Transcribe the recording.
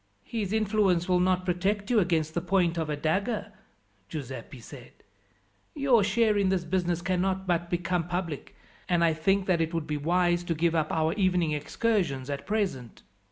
"His influence will not protect you against the point of a dagger," Giuseppi said. "Your share in this business cannot but become public, and I think that it would be wise to give up our evening excursions at present."